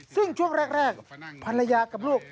ซึ่งช่วงแรกภรรยากับลูก